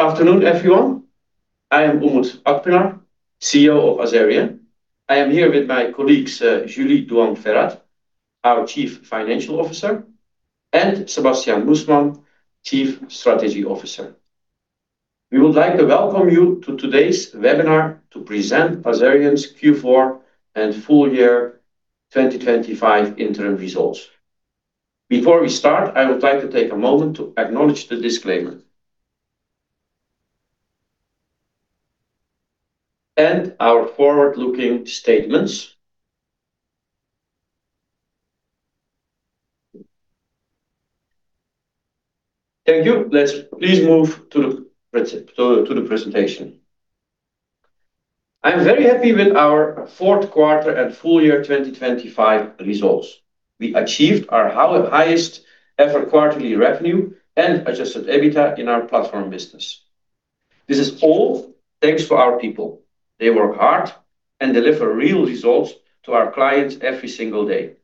Good afternoon, everyone. I am Umut Akpinar, CEO of Azerion. I am here with my colleagues, Julie Duong Ferat, our Chief Financial Officer, and Sebastiaan Moesman, Chief Strategy Officer. We would like to welcome you to today's webinar to present Azerion's Q4 and full year 2025 interim results. Before we start, I would like to take a moment to acknowledge the disclaimer and our forward-looking statements. Thank you. Let's please move to the presentation. I'm very happy with our Q4 and full year 2025 results. We achieved our highest ever quarterly revenue and adjusted EBITDA in our platform business. This is all thanks to our people. They work hard and deliver real results to our clients every single day.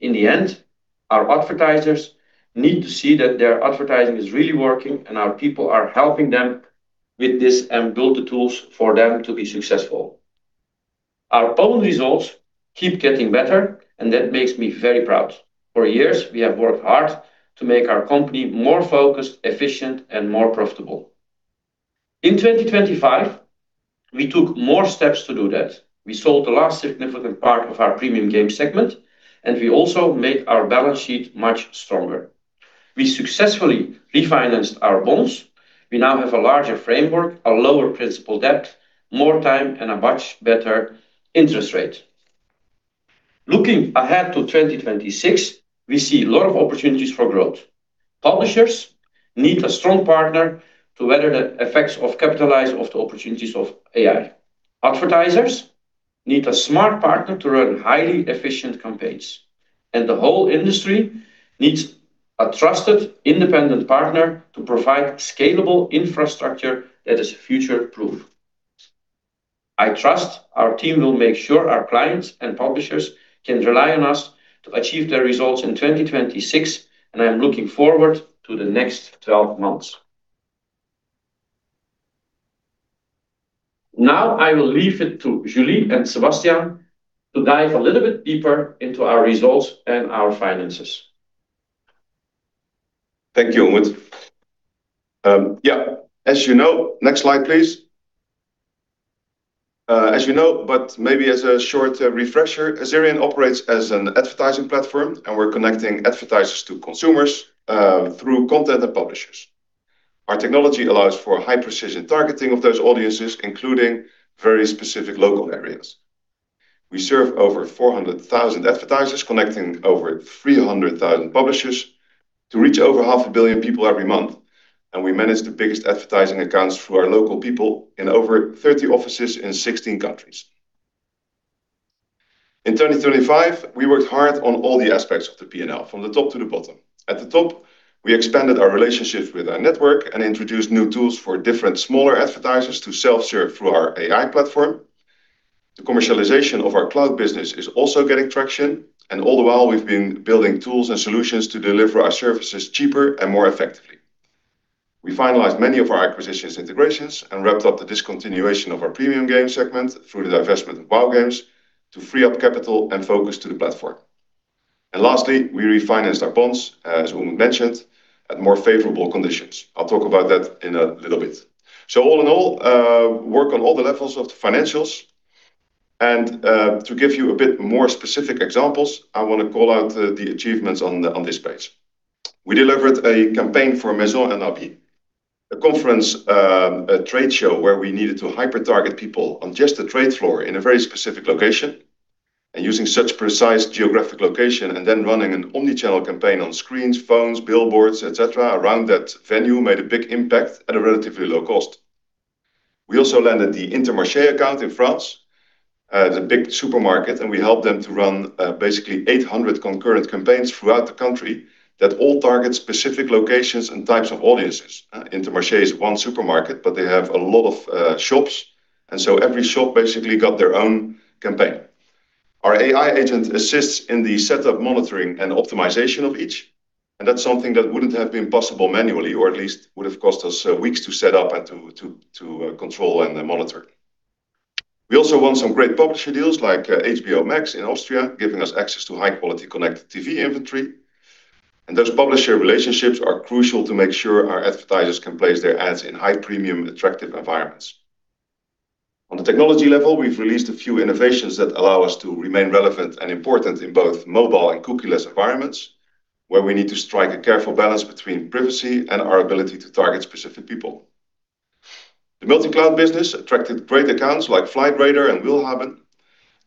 In the end, our advertisers need to see that their advertising is really working, and our people are helping them with this and build the tools for them to be successful. Our own results keep getting better, and that makes me very proud. For years, we have worked hard to make our company more focused, efficient, and more profitable. In 2025, we took more steps to do that. We sold the last significant part of our premium game segment, and we also made our balance sheet much stronger. We successfully refinanced our bonds. We now have a larger framework, a lower principal debt, more time, and a much better interest rate. Looking ahead to 2026, we see a lot of opportunities for growth. Publishers need a strong partner to weather the effects of capitalize of the opportunities of AI. Advertisers need a smart partner to run highly efficient campaigns. The whole industry needs a trusted, independent partner to provide scalable infrastructure that is future-proof. I trust our team will make sure our clients and publishers can rely on us to achieve their results in 2026. I'm looking forward to the next 12 months. I will leave it to Julie and Sebastiaan to dive a little bit deeper into our results and our finances. Thank you, Umut. As you know. Next slide, please. As you know, but maybe as a short refresher, Azerion operates as an advertising platform, we're connecting advertisers to consumers through content and publishers. Our technology allows for high-precision targeting of those audiences, including very specific local areas. We serve over 400,000 advertisers, connecting over 300,000 publishers to reach over half a billion people every month, we manage the biggest advertising accounts through our local people in over 30 offices in 16 countries. In 2025, we worked hard on all the aspects of the PNL, from the top to the bottom. At the top, we expanded our relationships with our network and introduced new tools for different smaller advertisers to self-serve through our AI platform. The commercialization of our cloud business is also getting traction. All the while, we've been building tools and solutions to deliver our services cheaper and more effectively. We finalized many of our acquisitions integrations and wrapped up the discontinuation of our premium game segment through the divestment in Whow Games to free up capital and focus to the platform. Lastly, we refinanced our bonds, as Umut mentioned, at more favorable conditions. I'll talk about that in a little bit. All in all, work on all the levels of the financials to give you a bit more specific examples, I want to call out the achievements on this page. We delivered a campaign for Maison & Objet, a conference, a trade show where we needed to hyper-target people on just the trade floor in a very specific location. Using such precise geographic location and then running an omnichannel campaign on screens, phones, billboards, et cetera, around that venue made a big impact at a relatively low cost. We also landed the Intermarché account in France, the big supermarket, and we helped them to run, basically 800 concurrent campaigns throughout the country that all target specific locations and types of audiences. Intermarché is one supermarket, but they have a lot of shops, and so every shop basically got their own campaign. Our AI agent assists in the setup, monitoring, and optimization of each, and that's something that wouldn't have been possible manually or at least would have cost us weeks to set up and to control and then monitor. We also won some great publisher deals like HBO Max in Austria, giving us access to high-quality connected TV inventory. Those publisher relationships are crucial to make sure our advertisers can place their ads in high-premium, attractive environments. On the technology level, we've released a few innovations that allow us to remain relevant and important in both mobile and cookieless environments, where we need to strike a careful balance between privacy and our ability to target specific people. The multi-cloud business attracted great accounts like Flightradar24 and willhaben.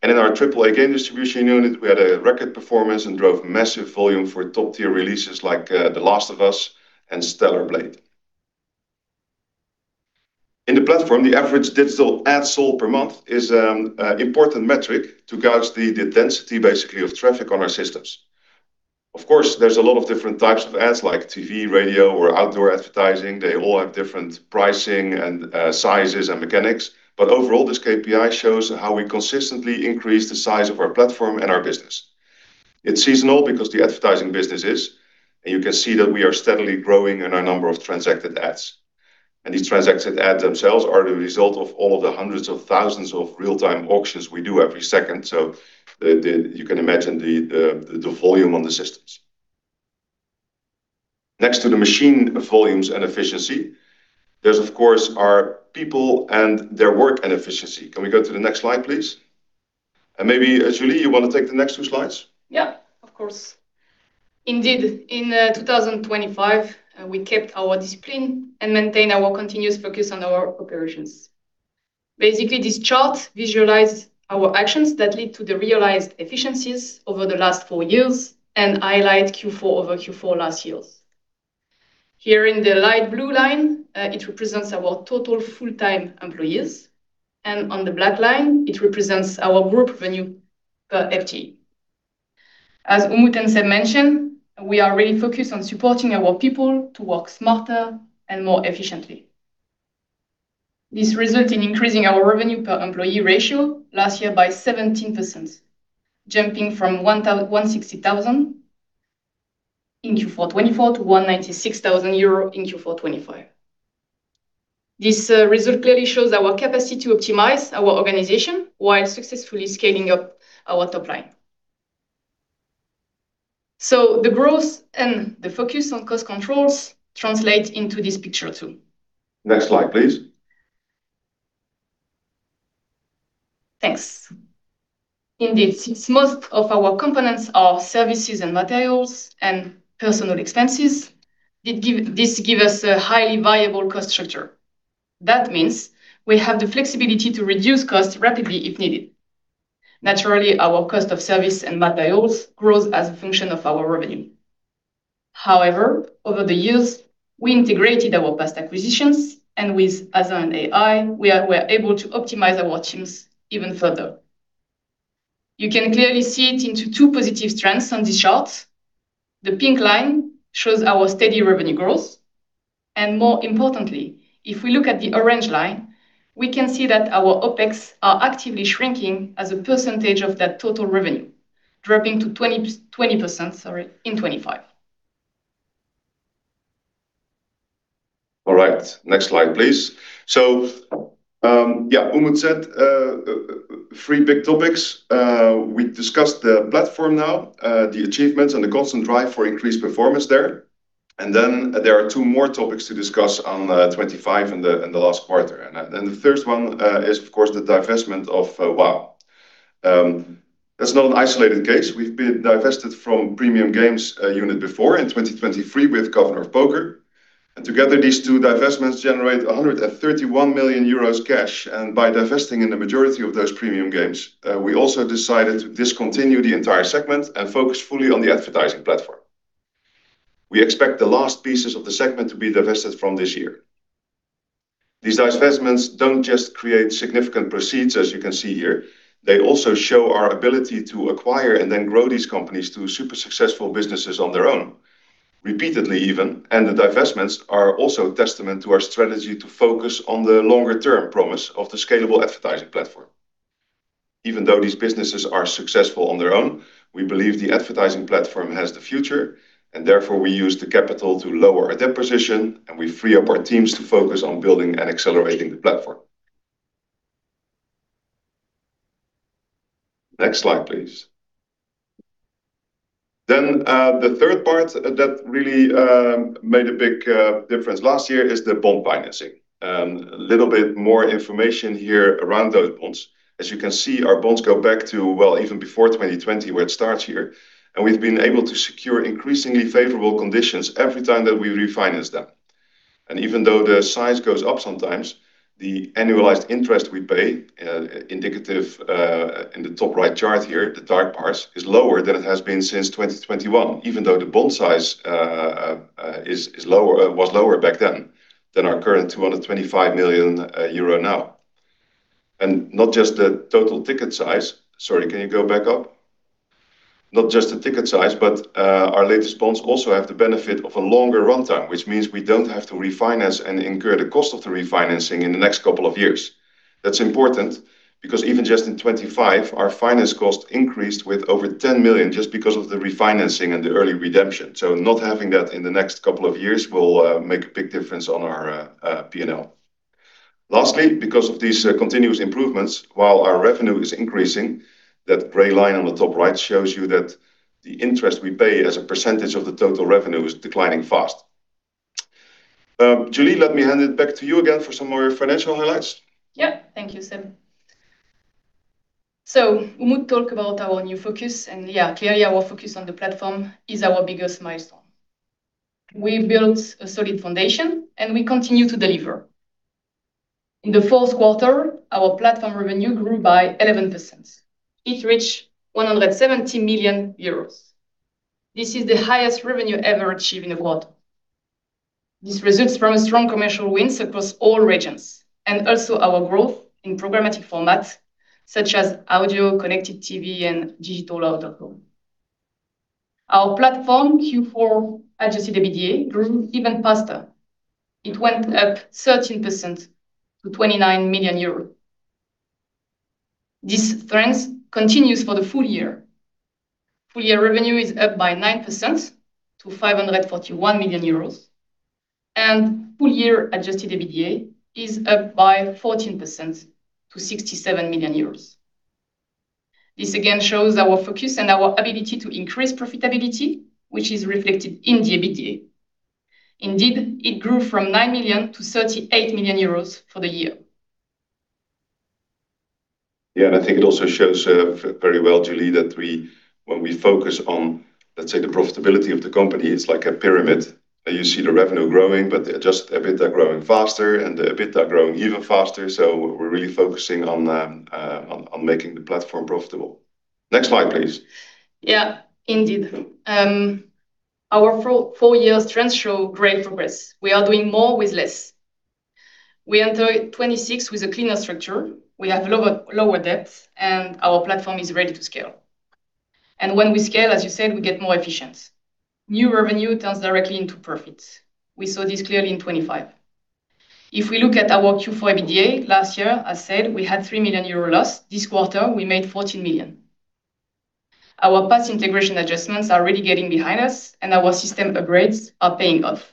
In our triple-A game distribution unit, we had a record performance and drove massive volume for top-tier releases like The Last of Us and Stellar Blade. In the platform, the average digital ad sold per month is an important metric to gauge the density, basically, of traffic on our systems. Of course, there's a lot of different types of ads, like TV, radio, or outdoor advertising. They all have different pricing and sizes and mechanics. Overall, this KPI shows how we consistently increase the size of our platform and our business.... It's seasonal because the advertising business is, and you can see that we are steadily growing in our number of transacted ads. These transacted ads themselves are the result of all of the hundreds of thousands of real-time auctions we do every second. You can imagine the volume on the systems. Next to the machine volumes and efficiency, there's, of course, our people and their work and efficiency. Can we go to the next slide, please? Maybe, Julie, you want to take the next two slides? Yeah, of course. Indeed, in 2025, we kept our discipline and maintained our continuous focus on our operations. Basically, this chart visualizes our actions that lead to the realized efficiencies over the last four years and highlight Q4 over Q4 last year's. Here in the light blue line, it represents our total full-time employees, and on the black line, it represents our group revenue per FTE. As Umut and Seb mentioned, we are really focused on supporting our people to work smarter and more efficiently. This result in increasing our revenue per employee ratio last year by 17%, jumping from 160,000 in Q4 2024 to 196,000 euro in Q4 2025. This result clearly shows our capacity to optimize our organization while successfully scaling up our top line. The growth and the focus on cost controls translate into this picture, too. Next slide, please. Thanks. Indeed, since most of our components are services and materials and personal expenses, this give us a highly viable cost structure. means we have the flexibility to reduce costs rapidly if needed. our cost of service and materials grows as a function of our revenue. over the years, we integrated our past acquisitions, and with Azure and AI, we are able to optimize our teams even further. You can clearly see it into two positive trends on this chart. The pink line shows our steady revenue growth, and more importantly, if we look at the orange line, we can see that our OpEx are actively shrinking as a percentage of that total revenue, dropping to 20%, sorry, in 2025. All right, next slide, please. Yeah, Umut said three big topics. We discussed the platform now, the achievements and the constant drive for increased performance there. There are two more topics to discuss on 25 and the last quarter. The first one is, of course, the divestment of WOW. That's not an isolated case. We've been divested from premium games unit before in 2023 with Governor of Poker, and together, these two divestments generate 131 million euros cash. By divesting in the majority of those premium games, we also decided to discontinue the entire segment and focus fully on the advertising platform. We expect the last pieces of the segment to be divested from this year. These divestments don't just create significant proceeds, as you can see here, they also show our ability to acquire and then grow these companies to super successful businesses on their own, repeatedly even. The divestments are also a testament to our strategy to focus on the longer-term promise of the scalable advertising platform. Even though these businesses are successful on their own, we believe the advertising platform has the future, and therefore, we use the capital to lower our debt position, and we free up our teams to focus on building and accelerating the platform. Next slide, please. The third part that really made a big difference last year is the bond financing. A little bit more information here around those bonds. As you can see, our bonds go back to, well, even before 2020, where it starts here, we've been able to secure increasingly favorable conditions every time that we refinance them. Even though the size goes up sometimes, the annualized interest we pay, indicative, in the top right chart here, the dark parts, is lower than it has been since 2021, even though the bond size was lower back then than our current 225 million euro now. Not just the total ticket size. Sorry, can you go back up? Not just the ticket size, but our latest bonds also have the benefit of a longer runtime, which means we don't have to refinance and incur the cost of the refinancing in the next couple of years. That's important because even just in 25, our finance cost increased with over 10 million just because of the refinancing and the early redemption. Not having that in the next couple of years will make a big difference on our PNL. Because of these continuous improvements, while our revenue is increasing, that gray line on the top right shows you that the interest we pay as a % of the total revenue is declining fast. Julie, let me hand it back to you again for some more financial highlights. Yeah. Thank you, Seb. Umut talk about our new focus, and yeah, clearly, our focus on the platform is our biggest milestone. We've built a solid foundation, and we continue to deliver. In the Q4, our platform revenue grew by 11%. It reached 170 million euros. This is the highest revenue ever achieved in the world. This results from strong commercial wins across all regions and also our growth in programmatic formats such as audio, Connected TV, and digital out-of-home. Our platform, Q4, adjusted EBITDA, grew even faster. It went up 13% to 29 million euros. This strength continues for the full year. Full year revenue is up by 9% to 541 million euros, and full year adjusted EBITDA is up by 14% to 67 million euros. This again shows our focus and our ability to increase profitability, which is reflected in the EBITDA. It grew from 9 million to 38 million euros for the year. Yeah, I think it also shows very well, Julie, that when we focus on, let's say, the profitability of the company, it's like a pyramid, and you see the revenue growing, but the adjusted EBITDA growing faster, and the EBITDA growing even faster. We're really focusing on making the platform profitable. Next slide, please. Yeah, indeed. Our four year trends show great progress. We are doing more with less. We enter 2026 with a cleaner structure. We have lower debts, and our platform is ready to scale. When we scale, as you said, we get more efficient. New revenue turns directly into profits. We saw this clearly in 2025. If we look at our Q4 EBITDA last year, as said, we had 3 million euro loss. This quarter, we made 14 million. Our past integration adjustments are really getting behind us, and our system upgrades are paying off.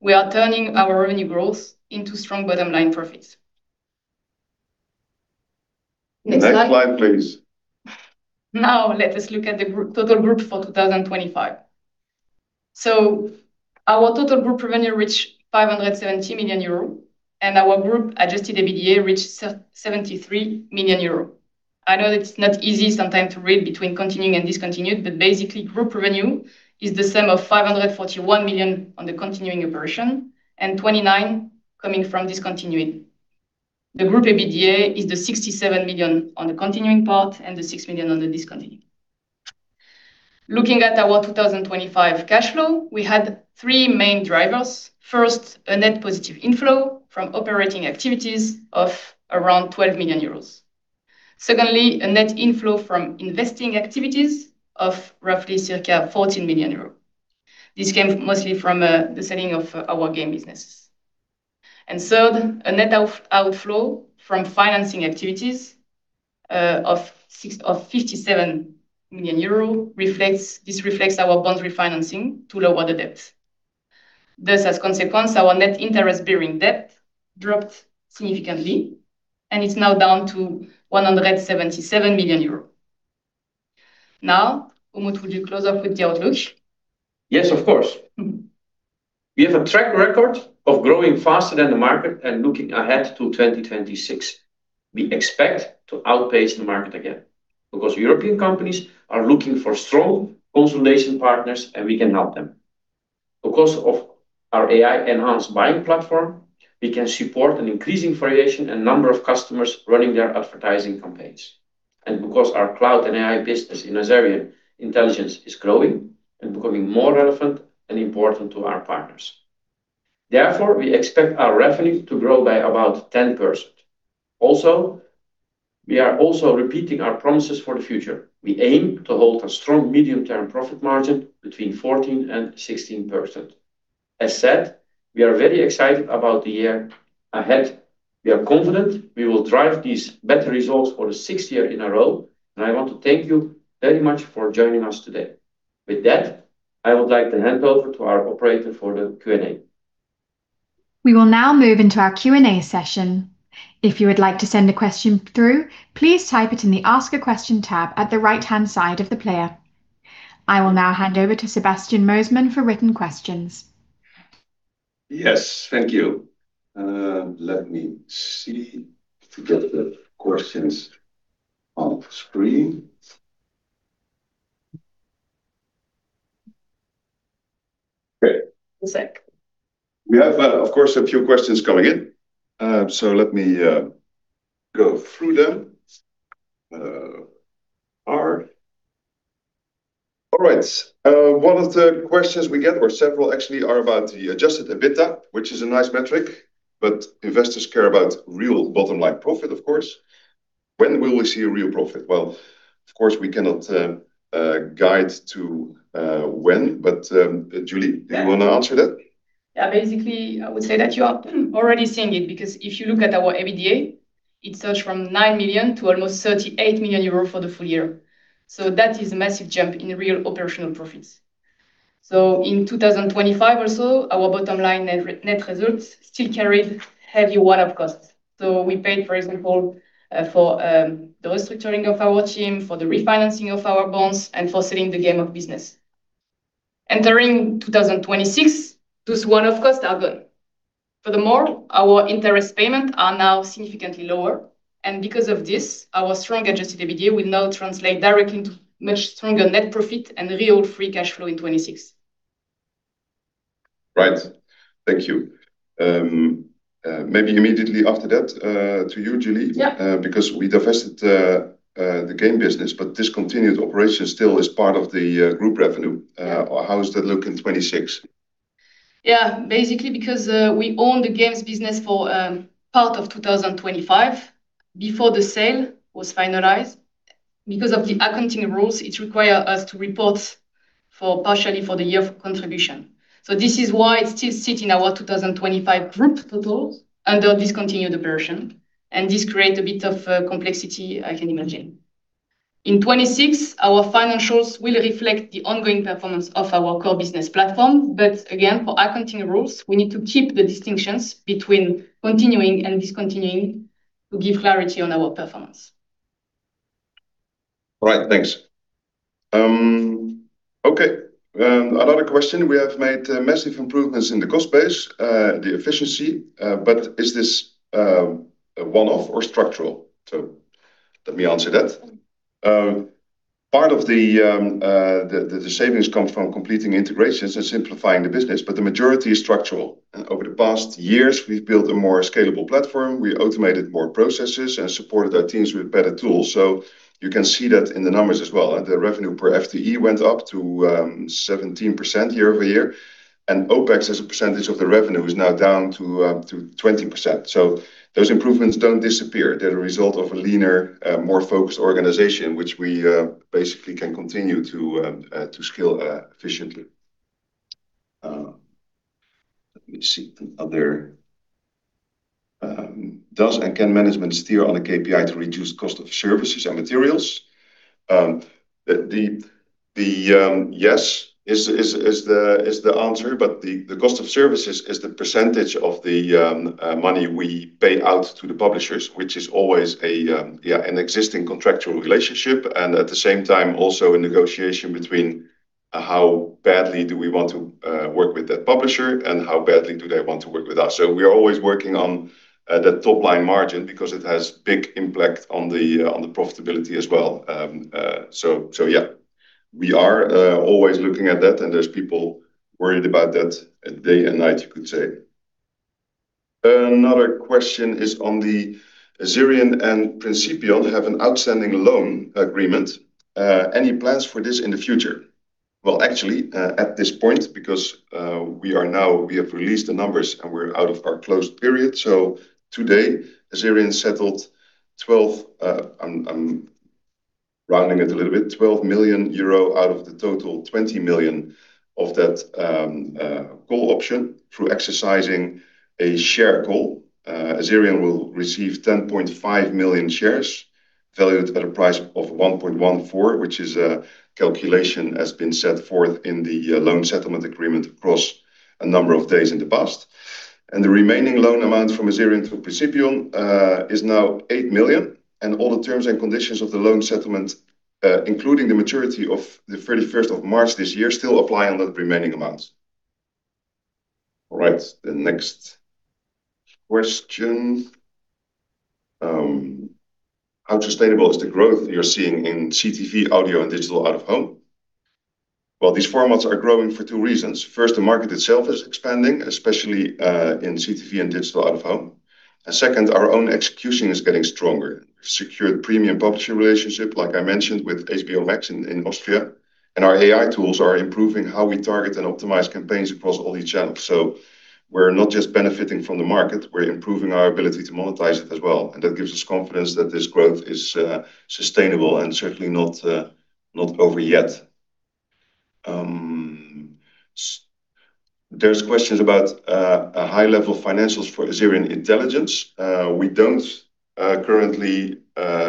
We are turning our revenue growth into strong bottom line profits. Next slide- Next slide, please. Let us look at the total group for 2025. Our total group revenue reached 570 million euro, and our group adjusted EBITDA reached 73 million euro. I know that it's not easy sometimes to read between continuing and discontinued, but basically, group revenue is the sum of 541 million on the continuing operation and 29 million coming from discontinuing. The group EBITDA is the 67 million on the continuing part and the 6 million on the discontinuing. Looking at our 2025 cash flow, we had three main drivers. First, a net positive inflow from operating activities of around 12 million euros. Secondly, a net inflow from investing activities of roughly circa 14 million euros. This came mostly from the selling of our game business. Third, a net outflow from financing activities, of 57 million euro reflects our bonds refinancing to lower the debt. As a consequence, our net interest-bearing debt dropped significantly, and it's now down to 177 million euros. Umut, would you close off with the outlook? Yes, of course. We have a track record of growing faster than the market. Looking ahead to 2026, we expect to outpace the market again. Because European companies are looking for strong consolidation partners, and we can help them. Because of our AI-enhanced buying platform, we can support an increasing variation and number of customers running their advertising campaigns. Because our cloud and AI business in Azerion Intelligence is growing and becoming more relevant and important to our partners. Therefore, we expect our revenue to grow by about 10%. Also, we are also repeating our promises for the future. We aim to hold a strong medium-term profit margin between 14%-16%. As said, we are very excited about the year ahead. We are confident we will drive these better results for the sixth year in a row, and I want to thank you very much for joining us today. With that, I would like to hand over to our operator for the Q&A. We will now move into our Q&A session. If you would like to send a question through, please type it in the Ask a Question tab at the right-hand side of the player. I will now hand over to Sebastiaan Moesman for written questions. Yes, thank you. Let me see to get the questions on screen. Great. One sec. We have, of course, a few questions coming in. Let me go through them. All right. One of the questions we get, or several actually, are about the adjusted EBITDA, which is a nice metric, but investors care about real bottom-line profit, of course. When will we see a real profit? Well, of course, we cannot guide to when, but Julie, do you want to answer that? Basically, I would say that you are already seeing it, because if you look at our EBITDA, it surged from 9 million to almost 38 million euros for the full year. That is a massive jump in real operational profits. In 2025 or so, our bottom line net results still carried heavy one-off costs. We paid, for example, for the restructuring of our team, for the refinancing of our bonds, and for selling the game of business. Entering 2026, those one-off costs are gone. Furthermore, our interest payment are now significantly lower, and because of this, our strong adjusted EBITDA will now translate directly into much stronger net profit and real free cash flow in 2026. Right. Thank you. maybe immediately after that, to you, Julie. Yeah. We divested the game business, but discontinued operation still is part of the group revenue. How does that look in 26? Yeah, basically, because we owned the games business for part of 2025, before the sale was finalized. Because of the accounting rules, it require us to report for partially for the year of contribution. This is why it still sit in our 2025 group totals under discontinued version, and this create a bit of complexity I can imagine. In 2026, our financials will reflect the ongoing performance of our core business platform. Again, for accounting rules, we need to keep the distinctions between continuing and discontinuing to give clarity on our performance. All right, thanks. another question: We have made massive improvements in the cost base, the efficiency, but is this a one-off or structural? Let me answer that. part of the savings comes from completing integrations and simplifying the business, but the majority is structural. Over the past years, we've built a more scalable platform, we automated more processes, and supported our teams with better tools. You can see that in the numbers as well. The revenue per FTE went up to 17% year-over-year, and OpEx, as a percentage of the revenue, is now down to 20%. Those improvements don't disappear. They're a result of a leaner, more focused organization, which we basically can continue to scale efficiently. Let me see. Other, Does and can management steer on a KPI to reduce cost of services and materials? The yes, is the answer, but the cost of services is the % of the money we pay out to the publishers, which is always an existing contractual relationship, and at the same time, also a negotiation between how badly do we want to work with that publisher and how badly do they want to work with us. We are always working on the top-line margin because it has big impact on the profitability as well. So we are always looking at that, and there's people worried about that day and night, you could say. Another question is on the Azerion and Principion have an outstanding loan agreement. Any plans for this in the future? Well, actually, at this point, because we have released the numbers, and we're out of our closed period. Today, Azerion settled 12 million, I'm rounding it a little bit, out of the total 20 million of that call option. Through exercising a share call, Azerion will receive 10.5 million shares, valued at a price of 1.14, which is a calculation has been set forth in the loan settlement agreement across a number of days in the past. The remaining loan amount from Azerion to Principion is now 8 million, and all the terms and conditions of the loan settlement, including the maturity of the 31st of March this year, still apply on the remaining amounts. All right, the next question. How sustainable is the growth you're seeing in CTV, audio, and digital out-of-home? Well, these formats are growing for two reasons. First, the market itself is expanding, especially in CTV and digital out-of-home. Second, our own execution is getting stronger. Secured premium publisher relationship, like I mentioned, with HBO Max in Austria, and our AI tools are improving how we target and optimize campaigns across all these channels. We're not just benefiting from the market, we're improving our ability to monetize it as well, and that gives us confidence that this growth is sustainable and certainly not over yet. There's questions about a high level of financials for Azerion Intelligence. We don't currently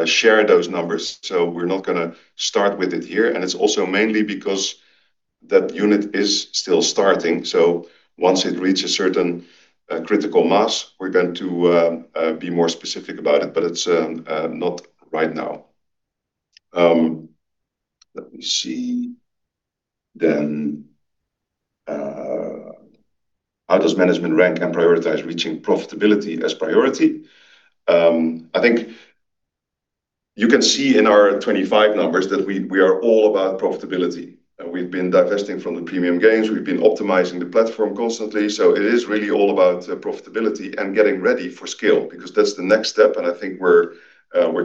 share those numbers, so we're not gonna start with it here, and it's also mainly because that unit is still starting. Once it reaches a certain critical mass, we're going to be more specific about it, but it's not right now. Let me see. How does management rank and prioritize reaching profitability as priority? I think you can see in our 25 numbers that we are all about profitability. We've been divesting from the premium games, we've been optimizing the platform constantly. It is really all about profitability and getting ready for scale, because that's the next step, and I think we're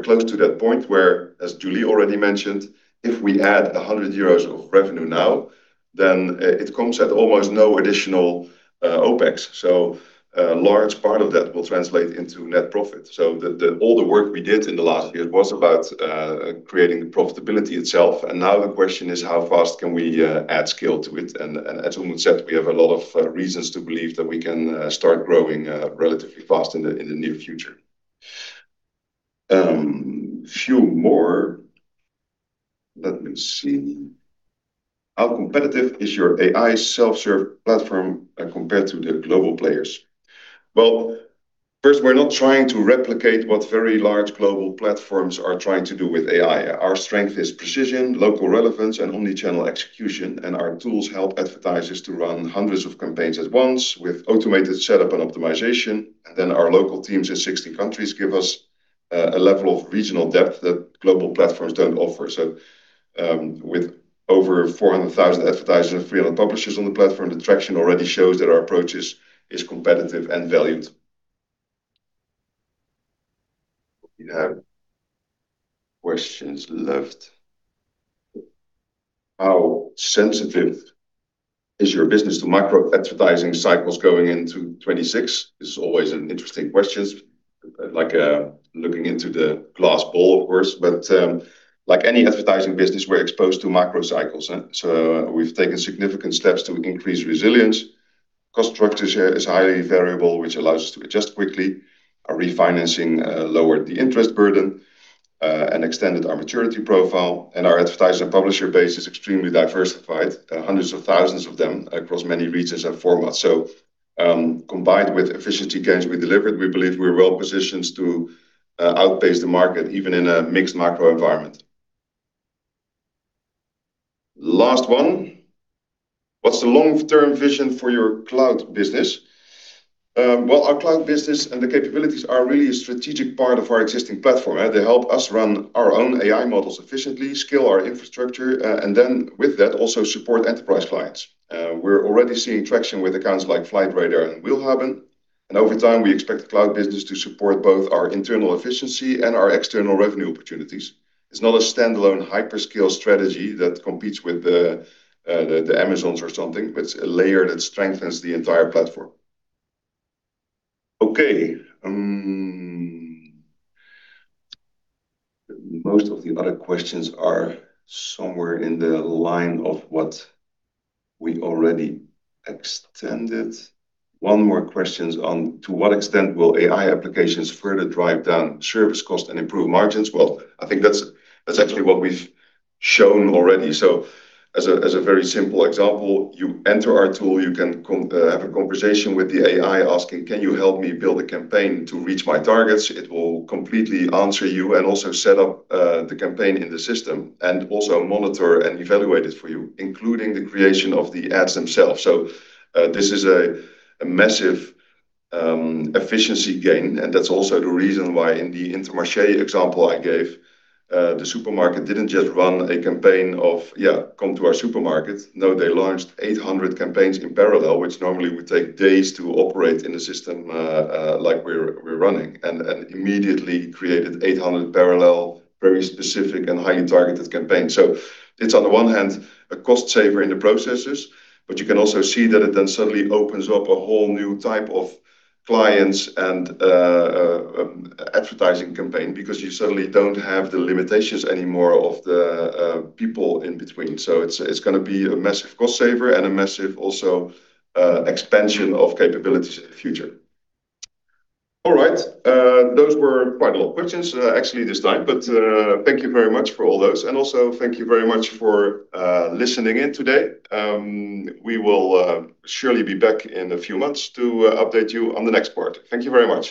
close to that point where, as Julie already mentioned, if we add 100 euros of revenue now, it comes at almost no additional OpEx. A large part of that will translate into net profit. All the work we did in the last years was about creating the profitability itself, and now the question is: How fast can we add scale to it? As Umu said, we have a lot of reasons to believe that we can start growing relatively fast in the near future. Few more. Let me see. How competitive is your AI self-serve platform compared to the global players? Well, first, we're not trying to replicate what very large global platforms are trying to do with AI. Our strength is precision, local relevance, and omnichannel execution, and our tools help advertisers to run hundreds of campaigns at once with automated setup and optimization. Our local teams in 60 countries give us a level of regional depth that global platforms don't offer. With over 400,000 advertisers and 300 publishers on the platform, the traction already shows that our approach is competitive and valued. What we have questions left? How sensitive is your business to macro advertising cycles going into 2026? This is always an interesting question, like looking into the glass ball, of course, but like any advertising business, we're exposed to macro cycles. We've taken significant steps to increase resilience. Cost structure is highly variable, which allows us to adjust quickly. Our refinancing lowered the interest burden and extended our maturity profile, and our advertiser and publisher base is extremely diversified, hundreds of thousands of them across many regions and formats. Combined with efficiency gains we delivered, we believe we are well positioned to outpace the market, even in a mixed macro environment. Last one: What's the long-term vision for your cloud business? Well, our cloud business and the capabilities are really a strategic part of our existing platform. They help us run our own AI models efficiently, scale our infrastructure. With that, also support enterprise clients. We're already seeing traction with accounts like Flightradar24 and willhaben. Over time, we expect the cloud business to support both our internal efficiency and our external revenue opportunities. It's not a standalone hyperscale strategy that competes with the Amazons or something. It's a layer that strengthens the entire platform. Okay, most of the other questions are somewhere in the line of what we already extended. One more questions on: To what extent will AI applications further drive down service cost and improve margins? Well, I think that's actually what we've shown already. As a very simple example, you enter our tool, you can have a conversation with the AI, asking, "Can you help me build a campaign to reach my targets?" It will completely answer you and also set up the campaign in the system, and also monitor and evaluate it for you, including the creation of the ads themselves. This is a massive efficiency gain, and that's also the reason why in the Intermarché example I gave, the supermarket didn't just run a campaign of, "Yeah, come to our supermarket." No, they launched 800 campaigns in parallel, which normally would take days to operate in a system like we're running, and immediately created 800 parallel, very specific and highly targeted campaigns. It's on the one hand, a cost saver in the processes, but you can also see that it then suddenly opens up a whole new type of clients and advertising campaign, because you suddenly don't have the limitations anymore of the people in between. It's, it's gonna be a massive cost saver and a massive also expansion of capabilities in the future. All right, those were quite a lot of questions, actually, this time, but thank you very much for all those. Also, thank you very much for listening in today. We will surely be back in a few months to update you on the next part. Thank you very much.